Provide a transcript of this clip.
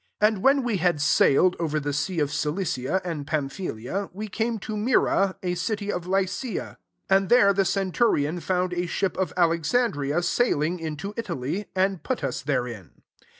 |> And when we had sailed over the sea of Cilicia and Pamphyl iia, we came to Myra, a city of Lycia. 6 And there the centurion found a ship of Alexandria sailing into Italy ; and put us therein.